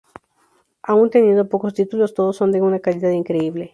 Aún teniendo pocos títulos, todos son de una calidad increíble.